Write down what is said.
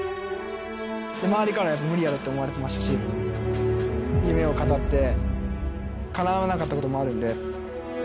周りから無理やろと思われてましたし夢を語ってかなわなかったこともあるので。